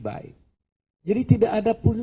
baik jadi tidak ada pun